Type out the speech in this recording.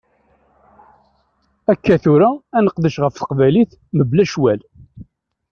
Akka tura ad neqdec ɣef teqbaylit mebla ccwal.